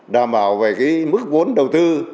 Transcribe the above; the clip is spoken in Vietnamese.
đảm bảo về mức vốn đầu tư